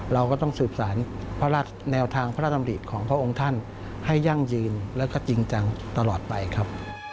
เราก็ต้องศึกษาแนวทางพระราชนำดีของพระองค์ท่านให้ยั่งยืนและจริงจังตลอดไปครับ